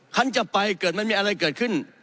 ฉันจะไปเกิดมันมีอะไรเกิดขึ้น